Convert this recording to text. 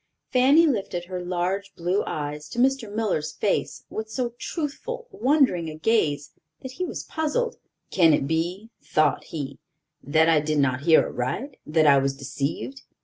Fanny lifted her large blue eyes to Mr. Miller's face with so truthful, wondering a gaze that he was puzzled. "Can it be," thought he, "that I did not hear aright, that I was deceived?